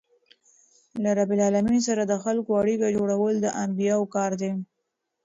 له رب العالمین سره د خلکو اړیکه جوړول د انبياوو کار دئ.